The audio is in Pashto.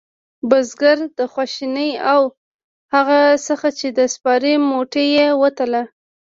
بزگر خواشینی و هغه ځکه چې د سپارې موټۍ یې وتله.